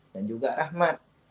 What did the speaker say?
dan juga rahmat